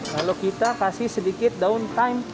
lalu kita kasih sedikit daun time